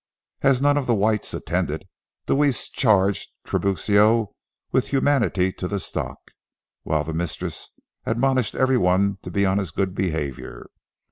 As none of the whites attended, Deweese charged Tiburcio with humanity to the stock, while the mistress admonished every one to be on his good behavior.